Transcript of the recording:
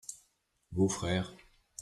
vos frères.